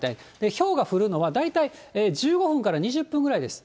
ひょうが降るのは、大体１５分から２０分ぐらいです。